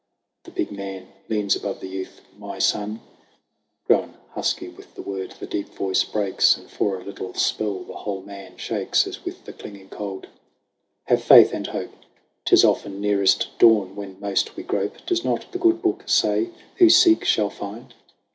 The big man leans above the youth : "My son " (Grown husky with the word, the deep voice breaks, And for a little spell the whole man shakes As with the clinging cold) " have faith and hope! 'Tis often nearest dawn when most we grope. Does not the Good Book say, Who seek shall find?"